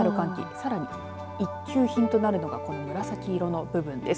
さらに一級品となるのがこの紫色の部分です。